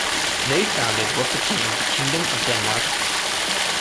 They founded what became the Kingdom of Denmark.